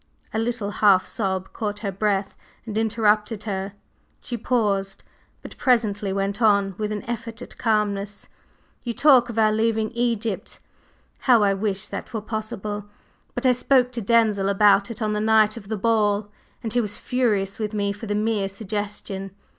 A little half sob caught her breath and interrupted her; she paused, but presently went on with an effort at calmness: "You talk of our leaving Egypt; how I wish that were possible! But I spoke to Denzil about it on the night of the ball, and he was furious with me for the mere suggestion.